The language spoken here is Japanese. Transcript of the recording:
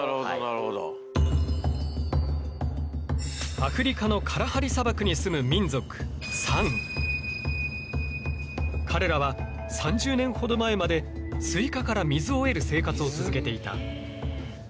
アフリカのカラハリ砂漠に住む民族彼らは３０年ほど前までスイカから水を得る生活を続けていた。